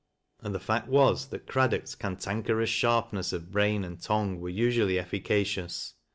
And the fact was that Craddock's cantankerous sharpness of brain and tongue were usually efficacious.